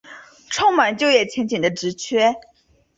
充满就业前景的职缺